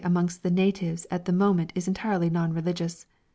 amongst the natives at the moment is entirely non religious.